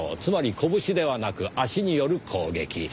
つまり拳ではなく足による攻撃。